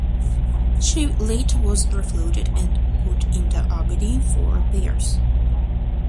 She later was refloated and put into Aberdeen for repairs.